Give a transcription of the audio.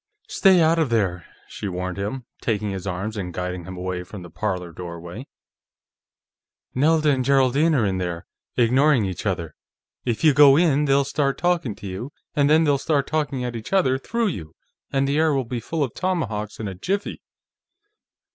"Stay out of there," she warned him, taking his arm and guiding him away from the parlor doorway. "Nelda and Geraldine are in there, ignoring each other. If you go in, they'll start talking to you, and then they'll start talking at each other through you, and the air will be full of tomahawks in a jiffy.